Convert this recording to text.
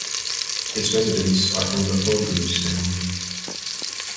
Its residents are from the Hoboos family.